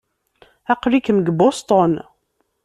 Aql-ikem deg Boston.